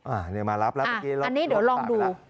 อันนี้เดี๋ยวลองดู